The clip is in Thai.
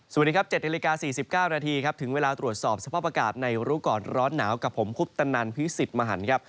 สวัสดีครับ๗นาฬิกา๔๙นาทีครับถึงเวลาตรวจสอบสภาพอากาศในรู้ก่อนร้อนหนาวกับผมคุปตนันพิสิทธิ์มหันครับ